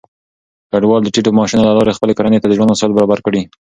کډوال د ټيټو معاشونو له لارې خپلې کورنۍ ته د ژوند وسايل برابر کړي.